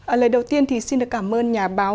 ở lời đầu tiên thì xin được cảm ơn nhà báo